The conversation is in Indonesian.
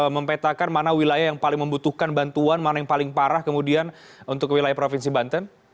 mempetakan mana wilayah yang paling membutuhkan bantuan mana yang paling parah kemudian untuk wilayah provinsi banten